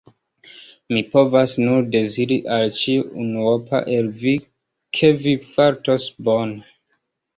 Mi povas nur deziri al ĉiu unuopa el vi, ke vi fartos bone.